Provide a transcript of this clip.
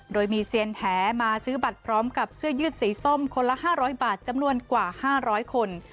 โดยมีเซียนแหมาซื้อบัตรพร้อมกับเสื้อยืดสีส้มคนละ๕๐๐บาทจำนวนกว่า๕๐๐คน